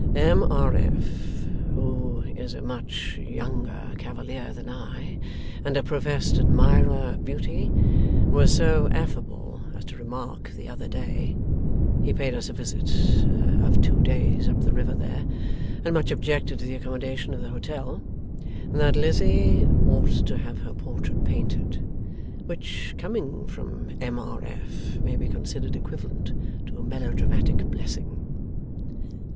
M. R. F., who is a much younger cavalier than I, and a professed admirer of beauty, was so affable as to remark the other day (he paid us a visit of two days up the river there, and much objected to the accommodation of the hotel), that Lizzie ought to have her portrait painted. Which, coming from M. R. F., may be considered equivalent to a melodramatic blessing.